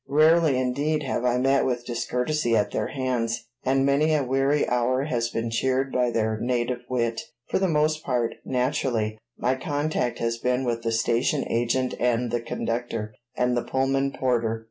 Rarely indeed have I met with discourtesy at their hands, and many a weary hour has been cheered by their native wit. For the most part, naturally, my contact has been with the station agent and the conductor and the Pullman porter.